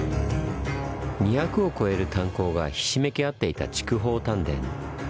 ２００を超える炭鉱がひしめき合っていた筑豊炭田。